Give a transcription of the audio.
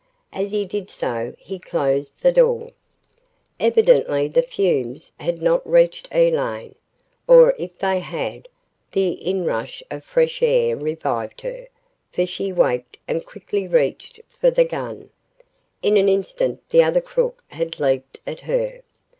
As he did so he closed the door. Evidently the fumes had not reached Elaine, or if they had, the inrush of fresh air revived her, for she waked and quickly reached for the gun. In an instant the other crook had leaped at her.